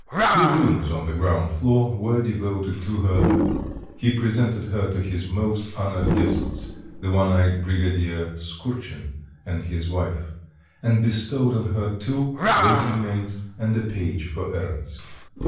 Two rooms on the ground floor were devoted to her; he presented her to his most honoured guests, the one eyed brigadier Skurchin, and his wife, and bestowed on her two waiting maids and a page for errands.